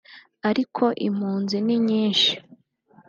ariko impunzi ni nyinshi